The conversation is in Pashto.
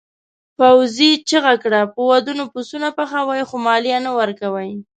پوځي چیغه کړه په ودونو پسونه پخوئ خو مالیه نه ورکوئ.